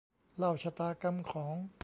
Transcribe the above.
เล่าชะตากรรมของ